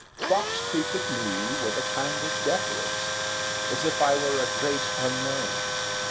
Fox treated me with a kind of deference as if I were a great unknown.